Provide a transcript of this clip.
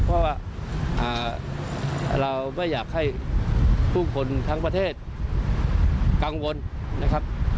เพราะว่าเราไม่อยากให้ผู้คนทั้งประเทศกังวลนะครับ